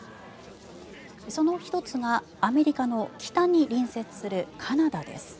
その１つがアメリカの北に隣接するカナダです。